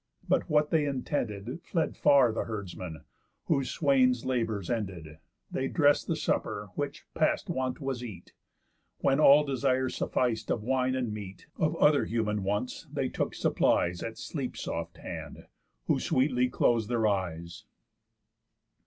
But what they intended Fled far the herdsman; whose swain's labours ended, They dress'd the supper, which, past want, was eat. When all desire suffic'd of wine and meat, Of other human wants they took supplies At Sleep's soft hand, who sweetly clos'd their eyes.